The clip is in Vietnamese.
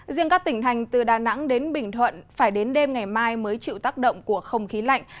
riêng các tỉnh thành từ đà nẵng đến bình thuận phải đến đêm ngày mai mới chịu tác động của không khí lạnh